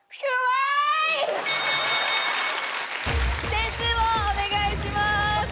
点数をお願いします。